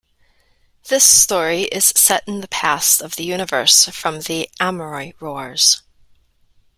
This story is set in the past of the universe from the Amory Wars.